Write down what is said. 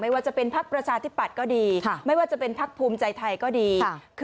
ไม่ว่าจะเป็นภาคประชาธิบัตรก็ดีไม่ว่าจะเป็นภาคภูมิใจไทยก็ดี